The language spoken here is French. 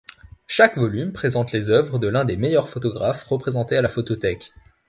Chaque volume présente les œuvres de l'un des meilleurs photographes représentés à la photothèque.